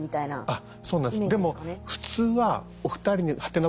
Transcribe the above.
あっそうなんです。